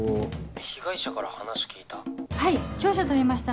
被害者から話聞いた？